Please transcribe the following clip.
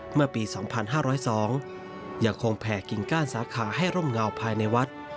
เมื่อปี๒๕๐๒ยังคงแผ่กิ่งก้านสาขาให้ร่มเงาภายในวัด